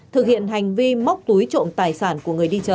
thực hiện hành vi móc túi trộm tài sản của người đi chợ